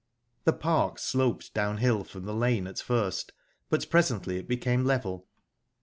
The park sloped downhill from the lane at first, but presently it became level.